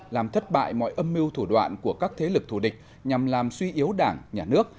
làm thất bại mọi âm mưu thủ đoạn của các thế lực thù địch nhằm làm suy yếu đảng nhà nước